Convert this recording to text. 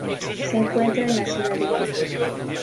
Se encuentra en la ciudad de Quito.